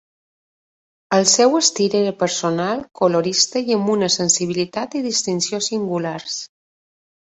El seu estil era personal, colorista i amb una sensibilitat i distinció singulars.